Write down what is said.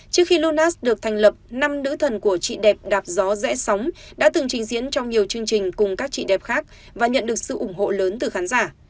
trước khi lunas được thành lập năm nữ thần của chị đẹp đạp gió rẽ sóng đã từng trình diễn trong nhiều chương trình cùng các chị đẹp khác và nhận được sự ủng hộ lớn từ khán giả